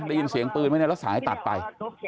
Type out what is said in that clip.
ได้ยินเสียงปืนไหมเนี่ยแล้วสายตัดไป